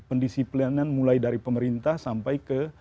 pendisiplinan mulai dari pemerintah sampai ke